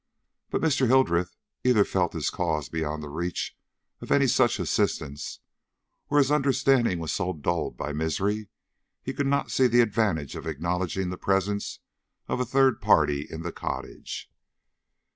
But Mr. Hildreth either felt his cause beyond the reach of any such assistance, or his understanding was so dulled by misery he could not see the advantage of acknowledging the presence of a third party in the cottage.